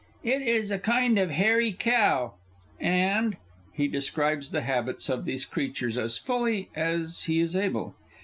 It is a kind of hairy cow, and (He describes the habits of these creatures as fully _as he is able.